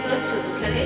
man ada man